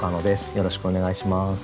よろしくお願いします。